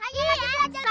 belajar baris seperti ini